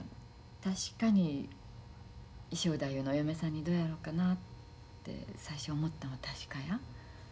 確かに正太夫のお嫁さんにどやろかなって最初思ったんは確かや。